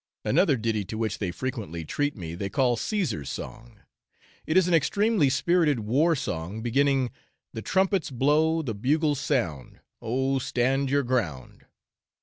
Another ditty to which they frequently treat me they call Caesar's song; it is an extremely spirited war song, beginning 'The trumpets blow, the bugles sound Oh, stand your ground!'